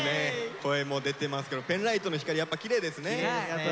声も出てますけどペンライトの光やっぱきれいですね。